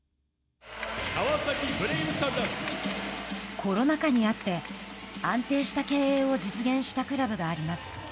コロナ禍にあって安定した経営を実現したクラブがあります。